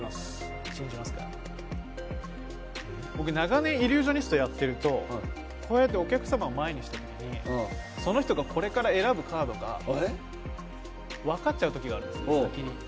僕、長年、イリュージョニストをやってると、こうやってお客様、目の前にしているときにその人がこれから選ぶカードが分かっちゃうときがあるんです、先に。